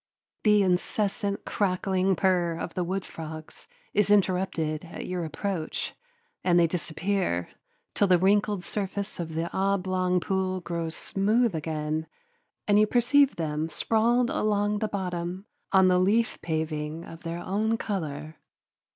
The incessant crackling purr of the wood frogs is interrupted at your approach, and they disappear till the wrinkled surface of the oblong pool grows smooth again and you perceive them sprawled along the bottom on the leaf paving of their own color.